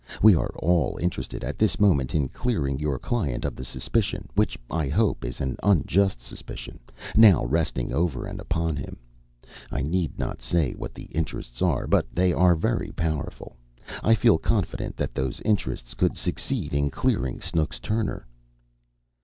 We are all interested at this moment in clearing your client of the suspicion which I hope is an unjust suspicion now resting over and upon him. I need not say what the interests are, but they are very powerful. I feel confident that those interests could succeed in clearing Snooks Turner."